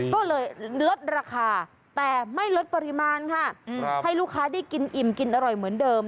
ก็เลยลดราคาแต่ไม่ลดปริมาณค่ะให้ลูกค้าได้กินอิ่มกินอร่อยเหมือนเดิม